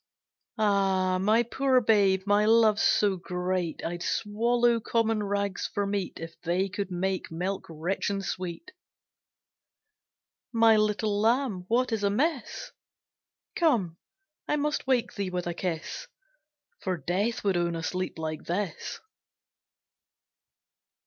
Ah, my poor babe, my love's so great I'd swallow common rags for meat If they could make milk rich and sweet. My little Lamb, what is amiss? Come, I must wake thee with a kiss, For Death would own a sleep like this.